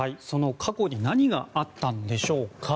過去に何があったんでしょうか。